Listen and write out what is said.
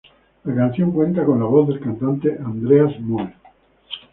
La canción cuenta con la voz del cantante Andreas Moe.